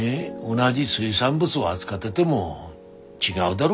同じ水産物を扱ってでも違うだろ？